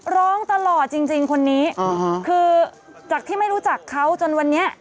ร้องตลอดจริงคนนี้คือจากที่ไม่รู้จักเขาจนวันนี้